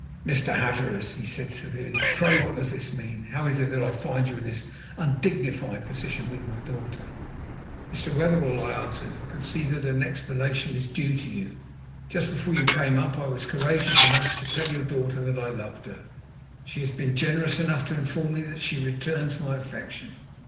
"Mr. Hatteras," he said severely, "pray what does this mean? How is it that I find you in this undignified position with my daughter?" "Mr. Wetherell," I answered, "I can see that an explanation is due to you. Just before you came up I was courageous enough to tell your daughter that I loved her. She has been generous enough to inform me that she returns my affection.